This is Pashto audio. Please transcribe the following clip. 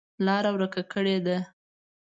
لاره ورکه کړې ده.